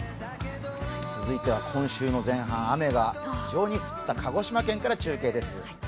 続いては今週の前半雨が非常に降った鹿児島県から中継です。